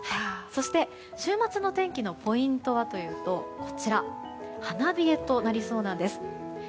そして、週末の天気のポイントはというと花冷えとなりそうなんです。